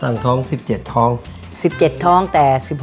คุณพ่อมีลูกทั้งหมด๑๐ปี